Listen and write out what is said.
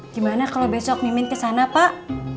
gimana kalau besok mimin kesana pak